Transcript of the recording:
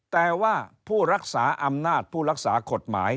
แต่ว่าผู้รักษาอำนาจผู้รักษากฎหมาย